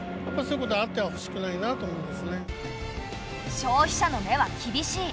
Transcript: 消費者の目は厳しい。